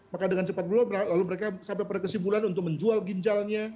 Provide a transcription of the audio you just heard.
maka dengan cepat belum lalu mereka sampai pada kesimpulan untuk menjual ginjalnya